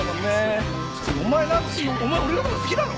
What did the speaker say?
お前お前俺の事好きだろ？